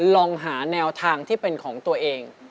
ลองหาแนวทางที่เป็นของตัวเอง